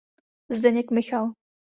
Zdeněk Michal.